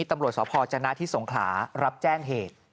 ตำรวจสพจนะที่สงขลารับแจ้งเหตุ